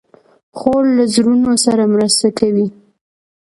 خور له زړونو سره مرسته کوي.